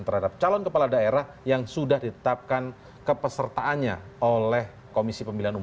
terhadap calon kepala daerah yang sudah ditetapkan kepesertaannya oleh komisi pemilihan umum